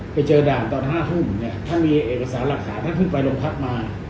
ไปเจอด่านตอน๕ทุ่มเนี่ยถ้ามีเอกสารหลักฐานท่านเพิ่งไปโรงพักมา